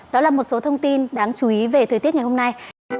đó là một số thông tin đáng chú ý về thời tiết ngày hôm nay